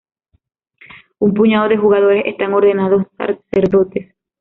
Un puñado de jugadores están ordenados sacerdotes.